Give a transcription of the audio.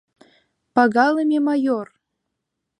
— Пагалыме майор!..